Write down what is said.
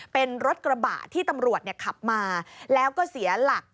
เป็นรถกระบะที่ตำรวจขับมาแล้วก็เสียหลัก